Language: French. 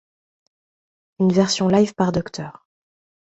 Une version live par Dr.